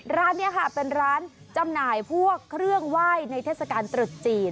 ร้านนี้ค่ะเป็นร้านจำหน่ายพวกเครื่องไหว้ในเทศกาลตรุษจีน